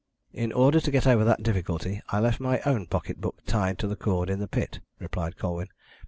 "In order to get over that difficulty I left my own pocket book tied to the cord in the pit," replied Colwyn.